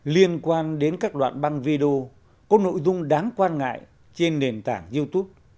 liên quan đến các đoạn băng video có nội dung đáng quan ngại trên nền tảng youtube